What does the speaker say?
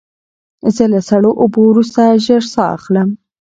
زه له سړو اوبو وروسته ژر ساه اخلم.